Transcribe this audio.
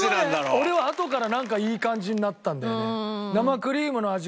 俺はあとからなんかいい感じになったんだよね。